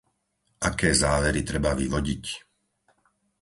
Aké závery treba vyvodiť?